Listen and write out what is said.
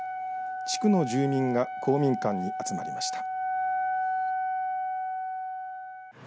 地区の住民が公民館に集まりました。